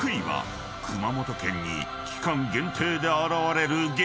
［熊本県に期間限定で現れる激